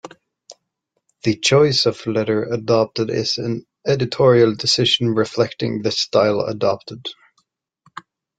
The choice of letter adopted is an editorial decision reflecting the style adopted.